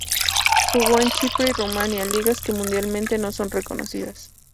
Jugó en Chipre y en Rumanía, ligas que mundialmente no son muy reconocidas.